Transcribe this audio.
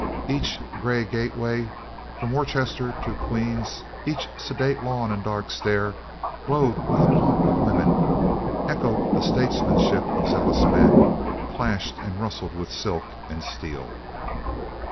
Each gray gate way from Worcester to Queen's, each sedate lawn and dark stair, glowed with the pomp of women, echoed the statesmanship of zealous men, clashed and rustled with silk and steel.